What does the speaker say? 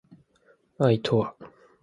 愛とは